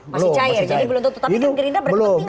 masih cair jadi belum tentu tapi kan gerindra berkepentingan